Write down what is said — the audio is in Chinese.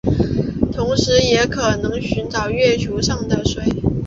同时也可以寻找月球上的水。